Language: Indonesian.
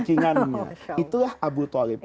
itulah abu talib